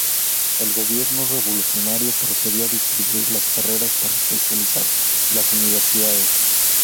El gobierno revolucionario procedió a redistribuir las carreras para especializar las Universidades.